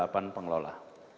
jadi itu akan merata